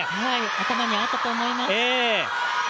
頭にあったと思います。